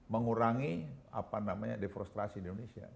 mengurangi defrostrasi di indonesia